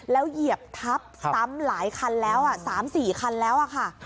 แล้วเหยียบทับซ้ำหลายคันแล้ว๓๔คันแล้วค่ะ